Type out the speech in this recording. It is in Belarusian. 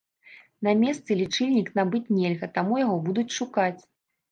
На месцы лічыльнік набыць нельга, таму яго будуць шукаць.